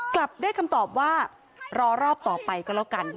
กลับได้คำตอบว่ารอรอบต่อไปก็แล้วกัน